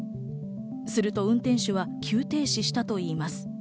すると運転手は急停止したといいます。